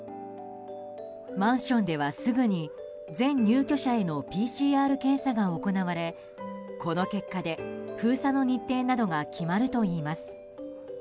マンションではすぐに全入居者へのＰＣＲ検査が行われこの結果で封鎖の日程などが決まるといいます。